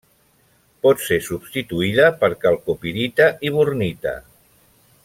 Pot ser substituïda per calcopirita i bornita.